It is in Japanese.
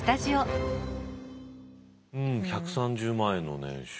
うん１３０万円の年収。